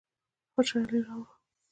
خوشحالي راوړو.